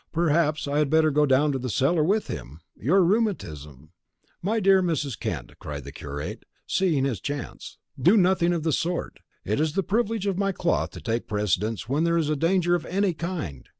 Perhaps I had better go down to the cellar with him. Your rheumatism " "My dear Mrs. Kent," cried the curate, seeing his chance; "do nothing of the sort. It is the privilege of my cloth to take precedence when there is danger of any kind.